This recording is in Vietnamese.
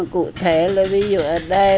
cụ thể là ví dụ ở đây